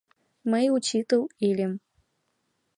Мый учитыл ыльым.